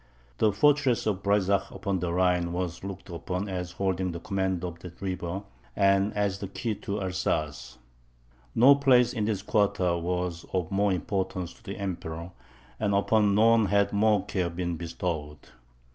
The fortress of Breysach upon the Rhine was looked upon as holding the command of that river, and as the key of Alsace. No place in this quarter was of more importance to the Emperor, and upon none had more care been bestowed.